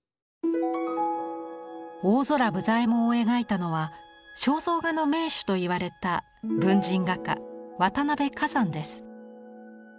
大空武左衛門を描いたのは肖像画の名手といわれた文人画家渡辺崋山です。